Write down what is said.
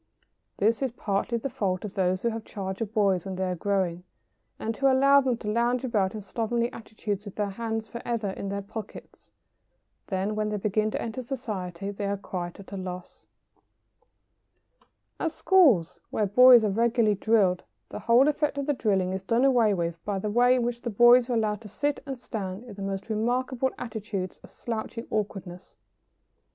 ] This is partly the fault of those who have charge of boys when they are growing and who allow them to lounge about in slovenly attitudes with their hands for ever in their pockets. Then when they begin to enter society they are quite at a loss. [Sidenote: And schoolmasters.] At schools where boys are regularly drilled the whole effect of the drilling is done away with by the way in which the boys are allowed to sit and stand in the most remarkable attitudes of slouching awkwardness.